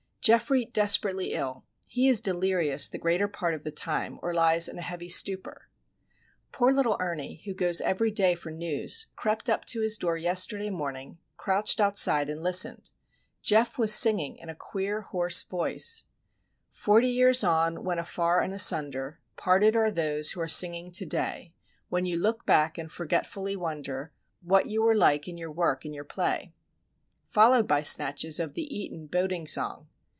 Geoffrey desperately ill. He is delirious the greater part of the time, or lies in a heavy stupour. Poor little Ernie, who goes every day for news, crept up to his door yesterday morning, crouched outside, and listened. Geof was singing in a queer, hoarse voice:— "Forty years on, when afar and asunder, Parted are those who are singing to day, When you look back and forgetfully wonder, What you were like in your work and your play...." followed by snatches of the Eton Boating Song.